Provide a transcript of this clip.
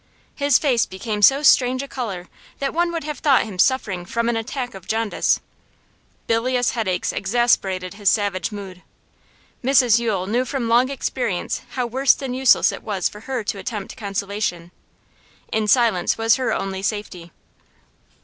His face became so strange a colour that one would have thought him suffering from an attack of jaundice; bilious headaches exasperated his savage mood. Mrs Yule knew from long experience how worse than useless it was for her to attempt consolation; in silence was her only safety.